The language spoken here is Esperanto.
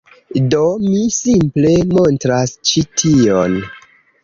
Do, mi simple montras ĉi tion